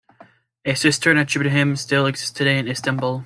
A cistern attributed to him still exists today in Istanbul.